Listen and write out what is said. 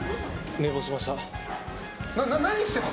寝坊しました。